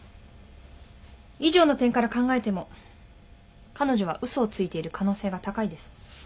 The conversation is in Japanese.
以上の点から考えても彼女は嘘をついている可能性が高いです。